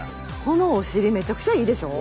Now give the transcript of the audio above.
このお尻めちゃくちゃいいでしょ？